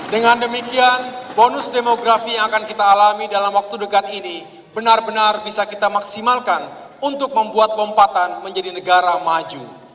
dengan demikian bonus demografi yang akan kita alami dalam waktu dekat ini benar benar bisa kita maksimalkan untuk membuat lompatan menjadi negara maju